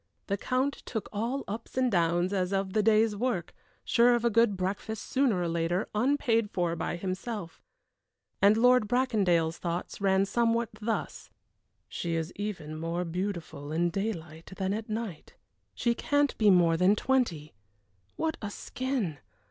The Count took all ups and downs as of the day's work, sure of a good breakfast, sooner or later, unpaid for by himself. And Lord Bracondale's thoughts ran somewhat thus: "She is even more beautiful in daylight than at night. She can't be more than twenty what a skin!